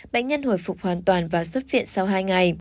bệnh nhân hồi phục hoàn toàn và xuất viện sau hai ngày